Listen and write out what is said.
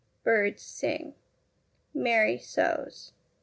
Birds sing. Mary sews.